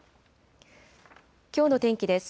きょうの天気です。